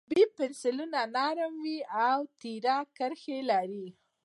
B پنسلونه نرم وي او تېره کرښه لري.